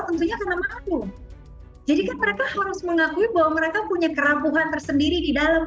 tentunya karena malu jadi kan mereka harus mengakui bahwa mereka punya kerampuhan tersendiri di dalam